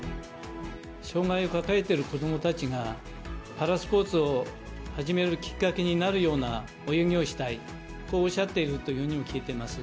障がいを抱えてる子どもたちが、パラスポーツを始めるきっかけになるような泳ぎをしたい、こうおっしゃっているというふうにも聞いています。